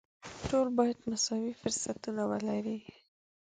ټول باید مساوي فرصتونه ولري.